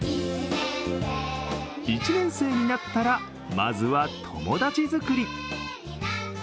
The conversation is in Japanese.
１年生になったら、まずは友達作り。